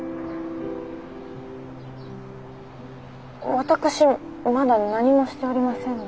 私まだ何もしておりませんが。